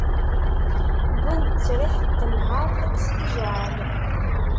Wwin-d ttesriḥ n tenhert s tijɛεal.